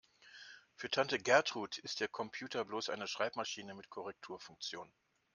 Für Tante Gertrud ist ihr Computer bloß eine Schreibmaschine mit Korrekturfunktion.